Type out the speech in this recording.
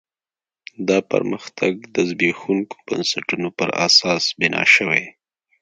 دا پرمختګ د زبېښونکو بنسټونو پر اساس بنا شوی و.